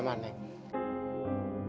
bapak harus pergi dulu